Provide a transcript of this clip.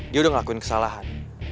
dia udah ngelakuin kesalahan